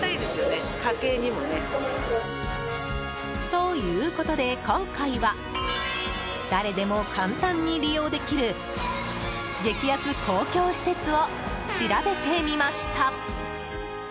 ということで今回は誰でも簡単に利用できる激安公共施設を調べてみました。